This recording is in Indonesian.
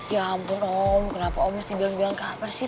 ya ampun om kenapa om mesti bilang bilang ke apa sih